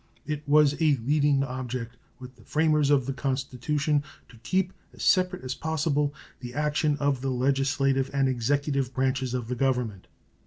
It was a leading object with the framers of the Constitution to keep as separate as possible the action of the legislative and executive branches of the Government.